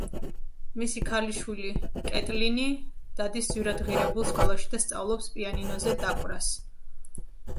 მისი ქალიშვილი კეტლინი დადის ძვირადღირებულ სკოლაში და სწავლობს პიანინოზე დაკვრას.